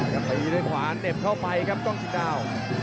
ตีด้วยขวาเหน็บเข้าไปครับกล้องชิงดาว